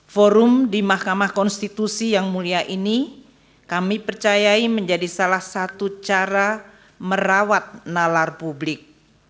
forum di mahkamah konstitusi yang mulia ini kami percayai menjadi salah satu cara merawat nalar publik